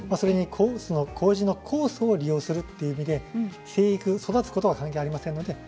こうじの酵素を利用するといういい意味で生育、育つこととは関係ありません。